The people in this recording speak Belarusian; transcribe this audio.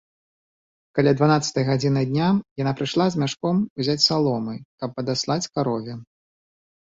Каля дванаццатай гадзіны дня яна прыйшла з мяшком узяць саломы, каб падаслаць карове.